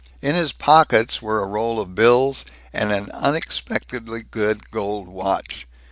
In his pockets were a roll of bills and an unexpectedly good gold watch.